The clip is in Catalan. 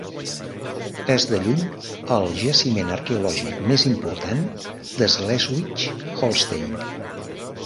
És de lluny el jaciment arqueològic més important de Schleswig-Holstein.